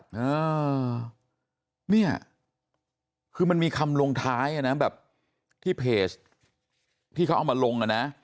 อ่าเนี่ยคือมันมีคำลงท้ายอ่ะนะแบบที่เพจที่เขาเอามาลงอ่ะนะ